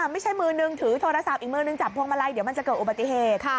ไม่ใช่มือนึงถือโทรศัพท์อีกมือนึงจับพวงมาลัยเดี๋ยวมันจะเกิดอุบัติเหตุ